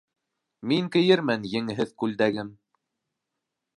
Мин кейермен еңһеҙ кулдәгем.